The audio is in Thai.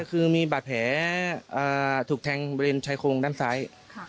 คือมีบาดแผลถูกแทงบริเวณชายโครงด้านซ้าย